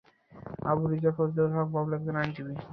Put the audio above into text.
আবু রেজা ফজলুল হক বাবলু একজন আইনজীবী।